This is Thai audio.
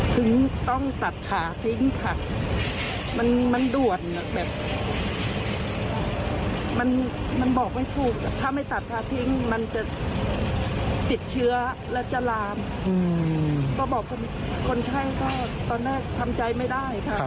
ก็บอกว่าคนไข้ก็ตอนแรกทำใจไม่ได้ค่ะ